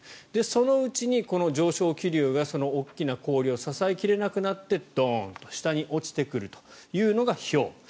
そのうちに上昇気流が大きな氷を支え切れなくなってドーンと下に落ちてくるというのが、ひょう。